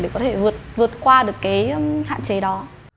để có thể vượt qua được cái hạn chế đó